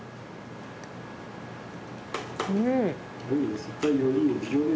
うん！